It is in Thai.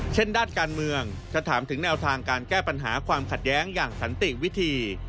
เช่นด้านการเมืองจะถามถึงแนวทางการแก้ปัญหาความขัดแย้งอย่างสันติวิธี